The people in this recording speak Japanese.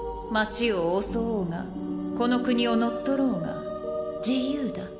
町を襲おうがこの国を乗っ取ろうが自由だ。